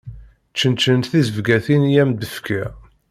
Čenčen tizebgatin i am-d-fkiɣ.